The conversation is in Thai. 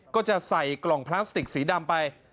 ก็จะใส่กล่องพลาสติกสีดำไป